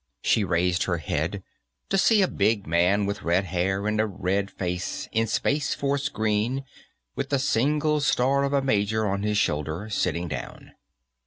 She raised her head, to see a big man with red hair and a red face, in Space Force green, with the single star of a major on his shoulder, sitting down.